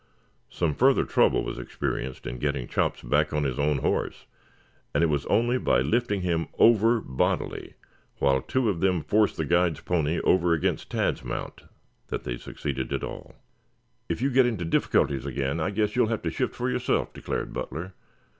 Some further trouble was experienced in getting Chops back on his own horse, and it was only by lifting him over bodily while two of them forced the guide's pony over against Tad's mount that they succeeded at all. "If you get into difficulties again I guess you'll have to shift for yourself," declared Butler.